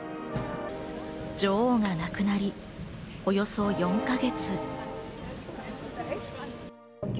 女王が亡くなり、およそ４か月。